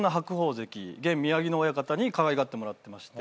関現宮城野親方にかわいがってもらってまして。